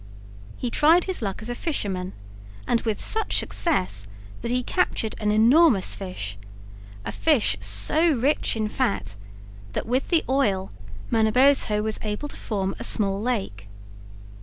He tried his luck as a fisherman and with such success that he captured an enormous fish, a fish so rich in fat that with the oil Manabozho was able to form a small lake.